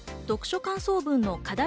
読書感想文の課題